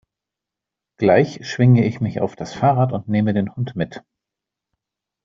Gleich schwinge ich mich auf das Fahrrad und nehme den Hund mit.